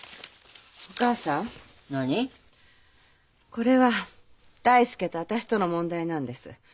これは大介と私との問題なんです。